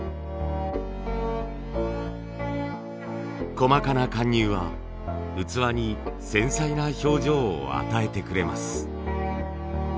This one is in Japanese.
細かな貫入は器に繊細な表情を与えてくれます。